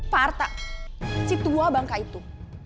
pak arta si tua bangka itu